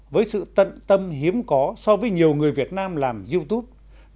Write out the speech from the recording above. với sự tận tâm hiếm có so với nhiều người việt nam làm youtube